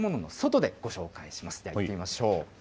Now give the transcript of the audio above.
では、行ってみましょう。